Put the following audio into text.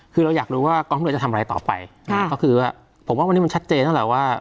คือเราอยากรู้ว่ากองทัพเรือจะทำอะไรต่อไปก็คือว่าผมว่าวันนี้มันชัดเจนแล้วแหละว่า